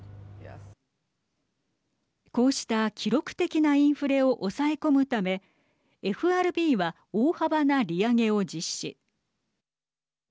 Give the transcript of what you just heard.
こうした記録的なインフレを抑え込むためＦＲＢは、大幅な利上げを実施。